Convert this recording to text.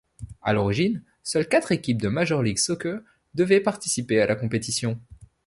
À l'origine, seules quatre équipes de Major League Soccer devaient participer à la compétition.